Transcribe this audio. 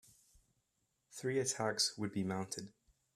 Three attacks would be mounted.